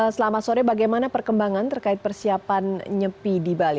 selamat sore bagaimana perkembangan terkait persiapan nyepi di bali